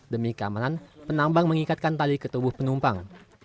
demi keamanan penambang mengikatkan tali ke tubuh penumpang